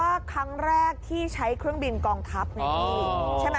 ครั้งแรกที่ใช้เครื่องบินกองทัพใช่ไหม